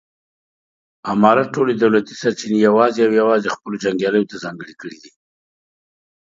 امارت ټولې دولتي سرچینې یوازې او یوازې خپلو جنګیالیو ته ځانګړې کړې.